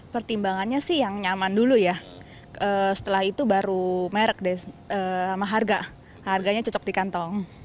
pertimbangannya sih yang nyaman dulu ya setelah itu baru merek sama harga harganya cocok di kantong